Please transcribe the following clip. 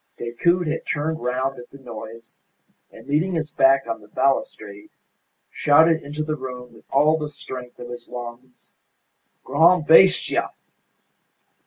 Decoud had turned round at the noise, and, leaning his back on the balustrade, shouted into the room with all the strength of his lungs, "Gran' bestia!"